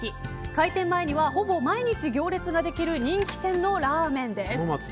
開店前にはほぼ毎日行列ができる人気店のラーメンです。